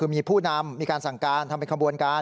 มีผู้นำสั่งการทำเป็นข้อบวนการ